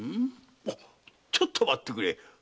ちょっと待ってくれ。